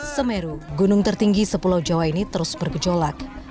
semeru gunung tertinggi sepulau jawa ini terus bergejolak